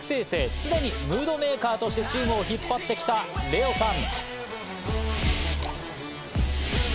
常にムードメーカーとしてチームを引っ張ってきたレオさん。